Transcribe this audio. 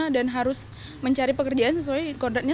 dan harus mencari pekerjaan sesuai dengan kodratnya